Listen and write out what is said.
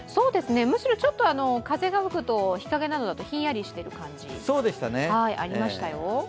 むしろちょっと風が吹くと日陰などだとひんやりする感じありましたよね。